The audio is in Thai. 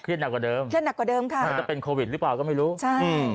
เครียดหนักกว่าเดิมค่ะใช่นะครับจะเป็นโควิดหรือเปล่าก็ไม่รู้